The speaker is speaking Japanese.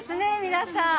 皆さん。